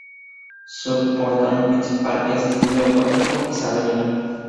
Su portalón principal es de estilo gótico isabelino.